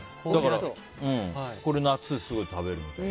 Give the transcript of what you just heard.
これ、夏すごい食べるみたい。